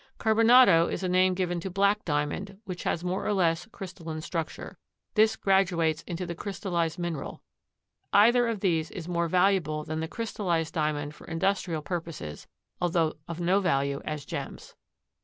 Carbonado is a name given to black Diamond which has more or less crystalline structure. This graduates into the crystallized mineral. Either of these is more valuable than the crystallized Diamond for industrial purposes, although of no value as gems.